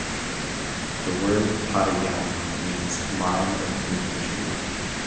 The word Padayani means line of infantry.